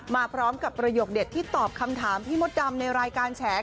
มาพร้อมกับประโยคเด็ดที่ตอบคำถามพี่มดดำในรายการแฉ